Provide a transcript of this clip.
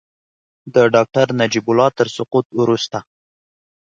د ډاکټر نجیب الله تر سقوط وروسته.